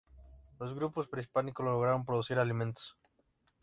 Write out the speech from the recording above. Los grupos prehispánicos lograron producir alimentos.